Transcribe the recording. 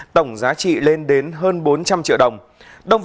tổng giá trị lên đến hơn bốn trăm linh triệu đồng